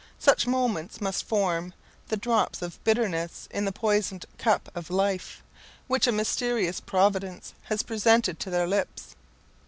Such moments must form the drops of bitterness in the poisoned cup of life, which a mysterious Providence has presented to their lips.